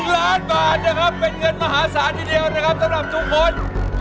๑ล้านบาทเป็นเงินมหาศาสน์ที่เดียวนะครับสำหรับทุกคน